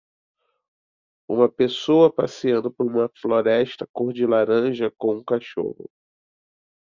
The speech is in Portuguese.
Uma pessoa passeando por uma floresta cor de laranja com um cachorro.